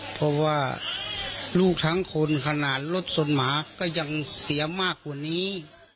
เพราะว่าลูกทั้งคนขนาดรถสนหมาก็ยังเสียมากกว่านี้